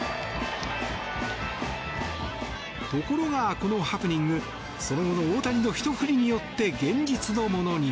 ところが、このハプニングその後の大谷のひと振りによって現実のものに。